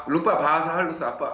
lupa bahasa harus apa